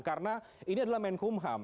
karena ini adalah menkumham